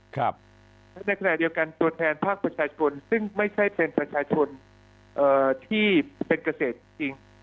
ในขณะเดียวกันตัวแทนภาคประชาชนซึ่งไม่ใช่เป็นประชาชนที่เป็นเกษตรจริง